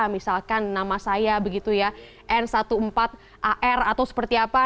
misalkan nama saya begitu ya n satu ratus empat belas ar atau seperti apa